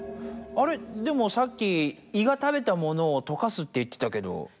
あれでもさっき胃が食べた物をとかすっていってたけど。